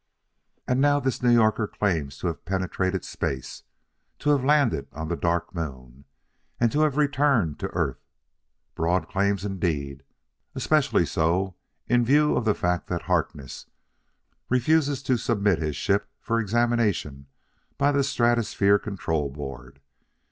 "And now this New Yorker claims to have penetrated space; to have landed on the Dark Moon; and to have returned to Earth. Broad claims, indeed, especially so in view of the fact that Harkness refuses to submit his ship for examination by the Stratosphere Control Board.